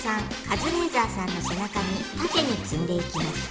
カズレーザーさんの背中にたてにつんでいきます。